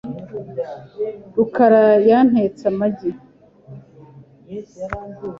rukara yantetse amagi .